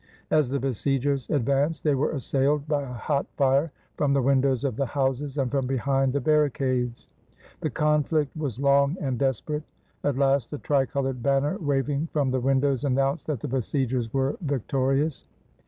As the besiegers advanced they were assailed by a hot fire from the windows of the houses, and from behind the barricades. The conflict was long and desperate. At last, the tricolored banner 35° AFTER THE BATTLE OF SZOLNOK waving from the windows announced that the besiegers were victorious.